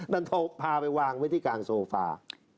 ดันโทรพาไปวางไว้ที่กลางโซฟา